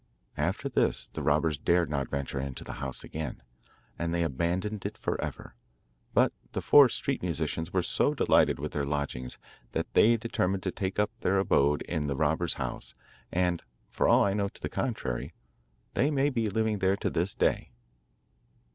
After this the robbers dared not venture into the house again, and they abandoned it for ever. But the four street musicians were so delighted with their lodgings that they determined to take up their abode in the robbers' house, and, for all I know to the contrary, they may be living there to this day.